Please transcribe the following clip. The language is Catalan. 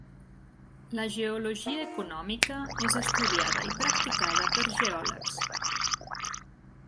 La geologia econòmica és estudiada i practicada per geòlegs.